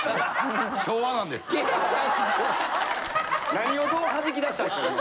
何をどうはじき出したんですか？